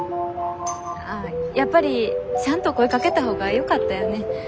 あやっぱりちゃんと声かけたほうがよかったよね？